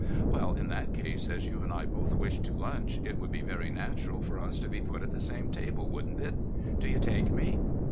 "Well, in that case, as you and I both wish to lunch, it would be very natural for us to be put at the same table, wouldn't it? Do you take me?"